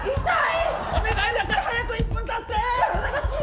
お願いだから早く１分経って。